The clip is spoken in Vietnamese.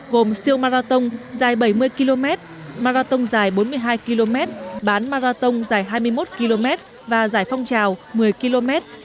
gồm siêu marathon dài bảy mươi km marathon dài bốn mươi hai km bán marathon dài hai mươi một km và giải phong trào một mươi km